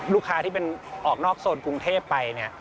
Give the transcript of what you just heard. ลูกค้าที่เป็นออกนอกโซนกรุงเทพฯไป